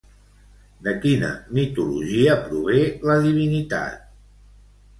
De quina mitologia prové la divinitat?